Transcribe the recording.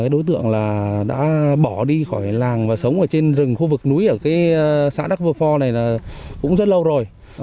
đối tượng đã bỏ đi khỏi làng và sống ở trên rừng khu vực núi ở xã đắc bờ phò này cũng rất lâu rồi